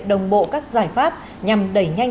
đồng bộ các giải pháp nhằm đẩy nhanh